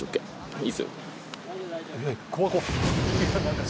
いいっすよ